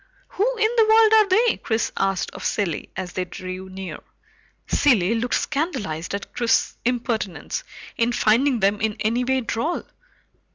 "Who in the world are they?" Chris asked of Cilley as they drew near. Cilley looked scandalized at Chris's impertinence in finding them in any way droll.